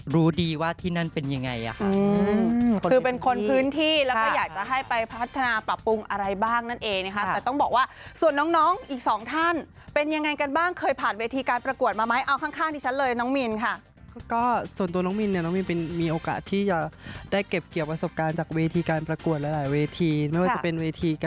รู้ดีว่าที่นั่นเป็นยังไงอ่ะค่ะคือเป็นคนพื้นที่แล้วก็อยากจะให้ไปพัฒนาปรับปรุงอะไรบ้างนั่นเองนะคะแต่ต้องบอกว่าส่วนน้องน้องอีกสองท่านเป็นยังไงกันบ้างเคยผ่านเวทีการประกวดมาไหมเอาข้างที่ฉันเลยน้องมินค่ะก็ส่วนตัวน้องมินเนี่ยน้องมินมีโอกาสที่จะได้เก็บเกี่ยวประสบการณ์จากเวทีการประกวดหลายเวทีไม่ว่าจะเป็นเวทีก